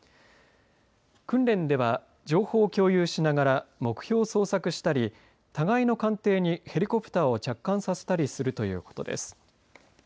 訓練では情報を共有しながら目標を捜索したり互いの艦艇にヘリコプターを着艦させたりするということです。